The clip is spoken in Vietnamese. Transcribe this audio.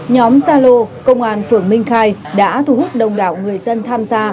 nhóm gia lô công an phường minh khai đã thu hút đông đảo người dân tham gia